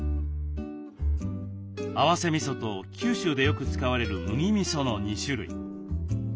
合わせみそと九州でよく使われる麦みその２種類。